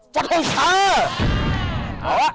จนต้องฆ่า